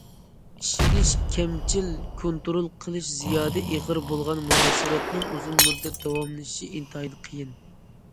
ئىشىنىش كەمچىل، كونترول قىلىش زىيادە ئېغىر بولغان مۇناسىۋەتنىڭ ئۇزۇن مۇددەت داۋاملىشىشى ئىنتايىن قىيىن.